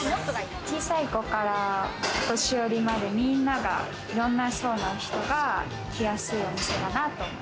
小さい子からお年寄りまでみんながいろんな層の人が来やすいお店かなと。